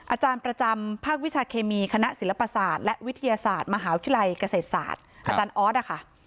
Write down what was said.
อาจารย์ประจำภาควิชาเคมีคณะศิลปศาสตร์และวิทยาศาสตร์มหาวิทยาลัยเกษตรศาสตร์อาจารย์ออสนะคะ